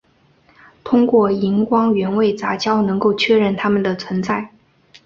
通过荧光原位杂交能够确认它们的存在。